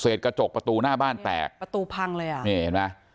กระจกประตูหน้าบ้านแตกประตูพังเลยอ่ะนี่เห็นไหม